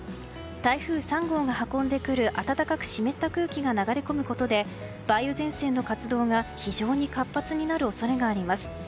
台風３号が運んでくる暖かく湿った空気が流れ込むことで梅雨前線の活動が、非常に活発になる恐れがあります。